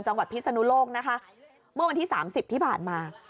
จังหวัดพิสนุโลกนะคะเมื่อวันที่สามสิบที่ผ่านมา